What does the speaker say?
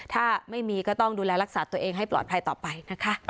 ถ้าไม่มีก็ต้องดูแลรักษาตัวเองให้ปลอดภัยต่อไปนะคะ